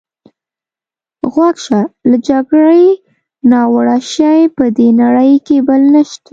غوږ شه، له جګړې ناوړه شی په دې نړۍ کې بل نشته.